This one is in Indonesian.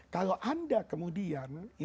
kalau anda kemudian